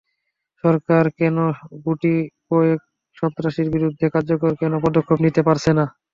সরকার কেন গুটি কয়েক সন্ত্রাসীর বিরুদ্ধে কার্যকর কোনো পদক্ষেপ নিতে পারছে না।